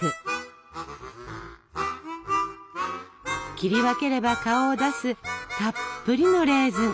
切り分ければ顔を出すたっぷりのレーズン。